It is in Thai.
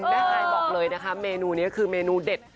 แม่ฮายบอกเลยนะคะเมนูนี้คือเมนูเด็ด